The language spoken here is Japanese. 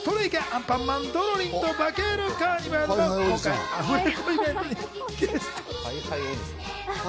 アンパンマンドロリンとバケるカーニバル』の公開アフレコイベントに。